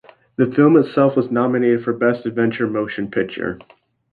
The film itself was nominated for best adventure motion picture.